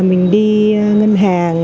mình đi ngân hàng